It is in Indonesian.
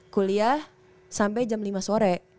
kuliah sampai jam lima sore